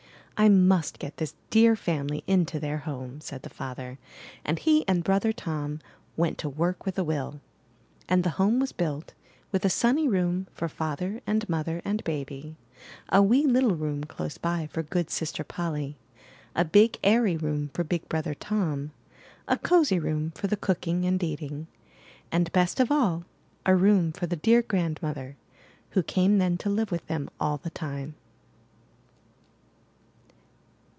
'*I must get this dear family into their home," said the father; and he and Brother Tom went to work with a will. And the home was built, with a sunny room for Father and Mother and Baby, a wee little room close by for good Sister Polly, a big airy room for big Brother Tom, a cosy room for the cook ing and eating, and, best of all, a room for the dear Grandmother, who came then to live with them all the time.